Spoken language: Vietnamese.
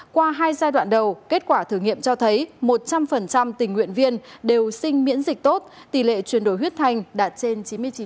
qua hai giai đoạn đầu kết quả thử nghiệm cho thấy một trăm linh tình nguyện viên đều sinh miễn dịch tốt tỷ lệ chuyển đổi huyết thành đạt trên chín mươi chín